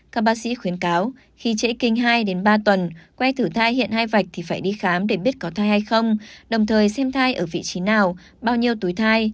các bác sĩ khuyến cáo khi trễ kinh hai ba tuần que thử thai hiện hai vạch thì phải đi khám để biết có thai hay không đồng thời xem thai ở vị trí nào bao nhiêu túi thai